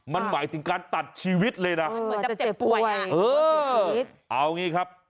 มันหมายถึงการตัดชีวิตเลยนะเหมือนจะเจ็บป่วยเออเอาอย่างงี้ครับ